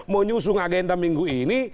menyusung agenda minggu ini